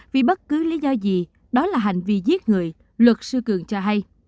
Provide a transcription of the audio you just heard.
vì bất cứ lý do gì đó là hành vi giết người luật sư cường cho hay